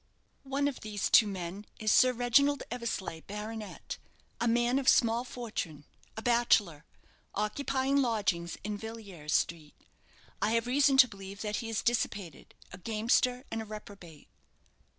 "One of these two men is Sir Reginald Eversleigh, Baronet, a man of small fortune a bachelor, occupying lodgings in Villiers Street. I have reason to believe that he is dissipated, a gamester, and a reprobate."